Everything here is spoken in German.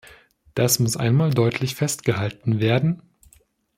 Das muss einmal deutlich festgehalten werden.